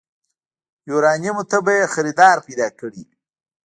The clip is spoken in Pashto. يوارنيمو ته به يې خريدار پيدا کړی وي.